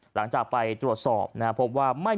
หลังจากไปตรวจสอบ